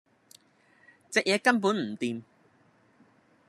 隻嘢根本唔掂